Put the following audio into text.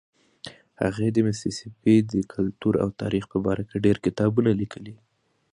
She has authored many books about the history and culture of Mississippi.